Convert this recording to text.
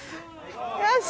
よし。